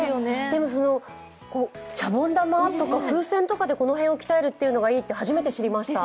でもしゃぼん玉とか風船とかでこの辺鍛えるのがいいって初めて知りました。